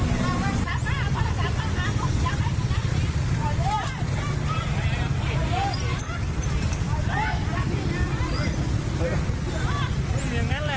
อย่างนั้นแหละโอ้ยอย่าอะไรอย่างนั้นอ่ะ